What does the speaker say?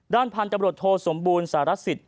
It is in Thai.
ด้านพันธุ์กรรมรถโทษสมบูรณ์สหรัฐศิษย์